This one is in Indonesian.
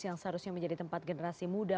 yang seharusnya menjadi tempat generasi muda